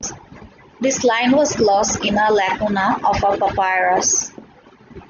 This line was lost in a lacuna of the papyrus.